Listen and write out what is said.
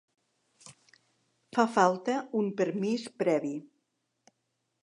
Fa falta un permís previ.